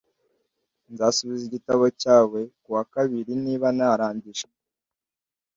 Nzasubiza igitabo cyawe kuwakabiri niba narangije.